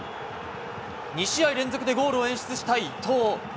２試合連続でゴールを演出した伊東。